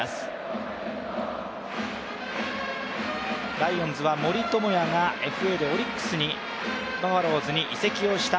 ライオンズは森友哉がＦＡでオリックスに、バファローズに移籍をした。